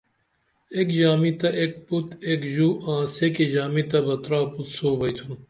ایک ژامی تہ ایک پُت ایک ژو آں سیکی ژامی تہ بہ ترا پُتسو بئیتُھن